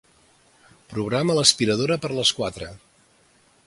Programa l'aspiradora per a les quatre.